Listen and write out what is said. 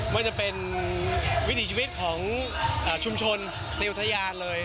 มันจะเป็นวิธีชีวิตของชุมชนในอุทยานเลย